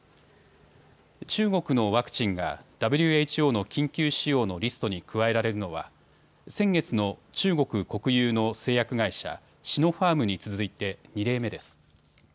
中国のワクチンがＷＨＯの緊急使用のリストに加えられるのは先月の中国国有の製薬会社、シノファームに続いて２例目です。